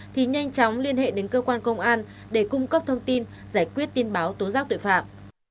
thì nhanh chóng liên hệ đến cơ quan công an để cung cấp thông tin giải quyết tin báo tố giác tội phạm